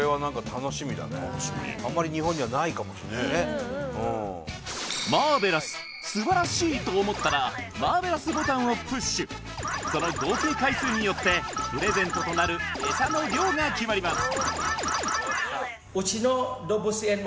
楽しみねえマーベラス素晴らしいと思ったらマーベラスボタンをプッシュその合計回数によってプレゼントとなるエサの量が決まります